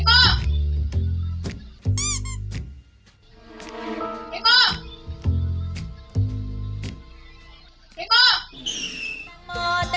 อาวุธยกเกิดด้วย